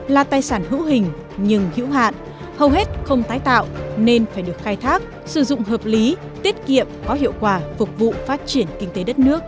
là tài sản hữu hình nhưng hữu hạn hầu hết không tái tạo nên phải được khai thác sử dụng hợp lý tiết kiệm có hiệu quả phục vụ phát triển kinh tế đất nước